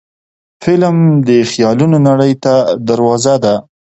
فلم د خیالونو نړۍ ته دروازه ده